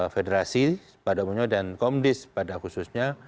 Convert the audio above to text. federasi pada umumnya dan komdis pada khususnya